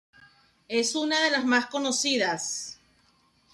Es una de las más conocidas.